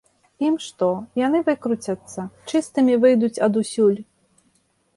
Ім што, яны выкруцяцца, чыстымі выйдуць адусюль.